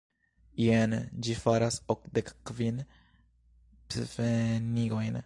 Jen, ĝi faras okdek kvin pfenigojn.